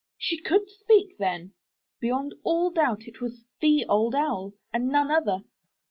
She could speak then! Beyond all doubt it was the Old Owl, and none other.